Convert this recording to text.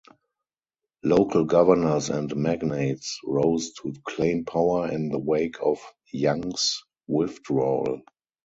Local governors and magnates rose to claim power in the wake of Yang's withdrawal.